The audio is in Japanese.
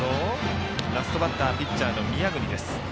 ラストバッターピッチャーの宮國です。